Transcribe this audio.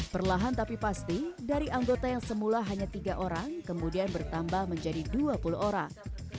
perlahan tapi pasti dari anggota yang semula hanya tiga orang kemudian bertambah menjadi dua puluh orang